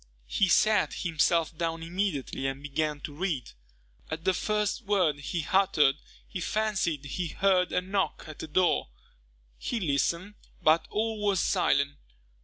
He sat himself down immediately and began to read. At the first word he uttered, he fancied he heard a knock at the door. He listened, but all was silent.